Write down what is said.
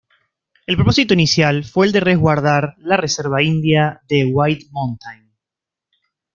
El propósito inicial fue el de resguardar la reserva india de "White Mountain".